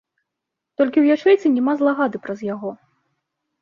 Толькі ў ячэйцы няма злагады праз яго.